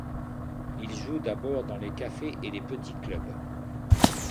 Ils jouent d'abord dans les cafés et les petits clubs.